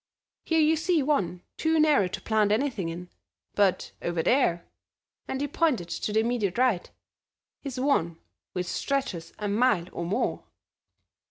Here you see one too narrow to plant anything in, but over there," and he pointed to the immediate right, "is one which stretches a mile or more."